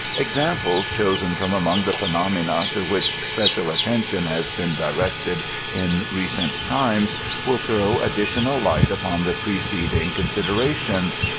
Examples chosen firom among the phenomena to which special attention has been directed in recent times, will throw additional light upon the preceding considerations.